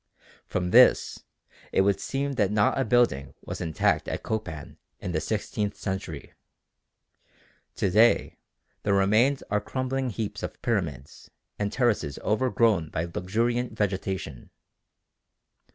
From this it would seem that not a building was intact at Copan in the sixteenth century. To day the remains are crumbling heaps of pyramids and terraces overgrown by luxuriant vegetation.